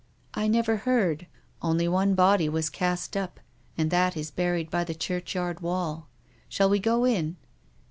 " I never heard. Only one body was cast up, and that is buried by the churchyard wall. Shall we go in